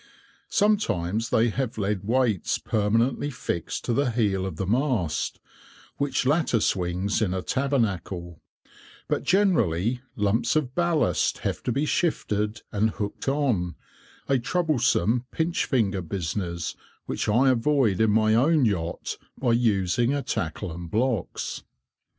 Sometimes they have lead weights permanently fixed to the heel of the mast (which latter swings in a tabernacle), but generally, lumps of ballast have to be shifted and hooked on, a troublesome "pinch finger" business which I avoid in my own yacht by using a tackle and blocks.